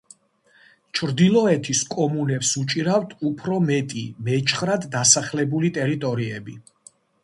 ჩრდილოეთის კომუნებს უჭირავთ უფრო მეტი მეჩხრად დასახლებული ტერიტორიები.